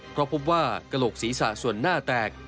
เพราะพบว่ากระโหลกศีรษะส่วนหน้าแตก